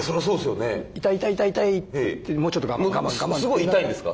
すごい痛いんですか？